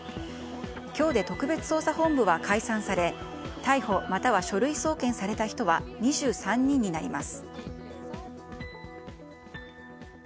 今日で特別捜査本部は解散され逮捕または書類送検された人は２３人になります。